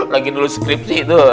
lagi dulu skripsi tuh